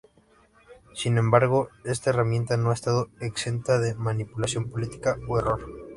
Sin embargo, esta herramienta no ha estado exenta de manipulación política o error.